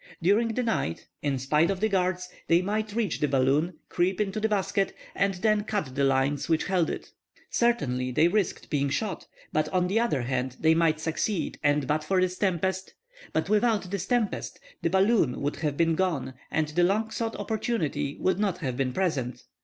During the night, in spite of the guards, they might reach the balloon, creep into the basket, and then cut the lines which held it! Certainly they risked being shot, but on the other hand they might succeed, and but for this tempest—but without this tempest the balloon would have been gone and the long sought opportunity would not have been present.